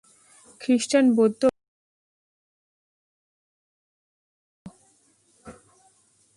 খ্রীষ্টান, বৌদ্ধ বা অন্যান্য শাস্ত্র হইতে আমাদের শাস্ত্রের এইটুকু পার্থক্য।